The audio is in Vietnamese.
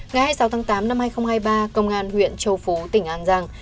ngày hai mươi sáu tháng tám năm hai nghìn hai mươi ba công an huyện châu phú tỉnh an giang